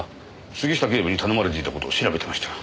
杉下警部に頼まれていた事を調べてました。